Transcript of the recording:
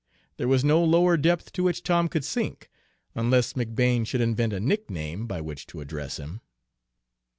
There was no lower depth to which Tom could sink, unless McBane should invent a nickname by which to address him.